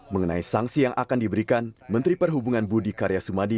mengenai sanksi yang akan diberikan menteri perhubungan budi karya sumadi